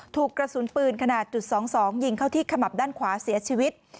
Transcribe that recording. ถูกกระสุนปืนขนาดจุด๒๒ยิงเข้าที่ขมับด้านขวาเสียชีวิต